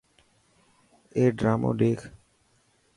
اي ڊرامون ڏيک.